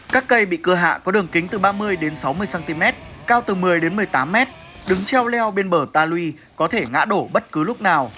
các cây bị cưa hạ có đường kính từ ba mươi đến sáu mươi cm cao từ một mươi một mươi tám m đứng treo leo bên bờ ta lui có thể ngã đổ bất cứ lúc nào